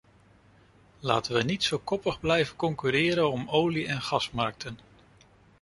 Laten we niet zo koppig blijven concurreren om olie- en gasmarkten.